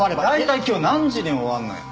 大体今日何時に終わるのよ？